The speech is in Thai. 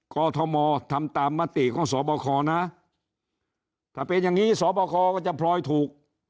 อทมทำตามมติของสบคนะถ้าเป็นอย่างนี้สอบคอก็จะพลอยถูก